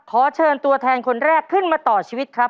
ขอเชิญตัวแทนคนแรกขึ้นมาต่อชีวิตครับ